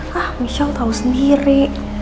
hah michelle tau sendiri